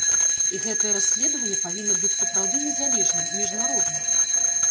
І гэтае расследаванне павінна быць сапраўды незалежным, міжнародным.